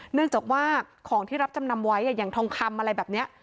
เนื่องจากว่าของที่รับจำนำไว้อย่างทองคำอะไรแบบนี้